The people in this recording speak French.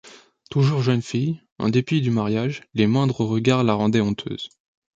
Toujours jeune fille, en dépit du mariage, les moindres regards la rendaient honteuse.